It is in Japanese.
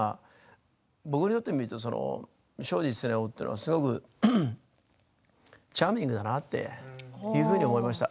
僕にとってみると庄司常雄というのはすごくチャーミングだなっていうふうに思いました。